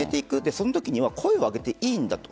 そのときに声を上げていいんだと。